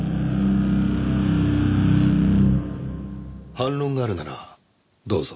反論があるならどうぞ。